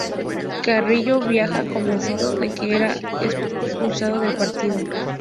Carrillo viaja convencido de que será expulsado del partido.